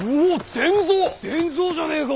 伝蔵じゃねぇか。